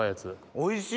おいしい！